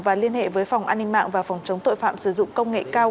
và liên hệ với phòng an ninh mạng và phòng chống tội phạm sử dụng công nghệ cao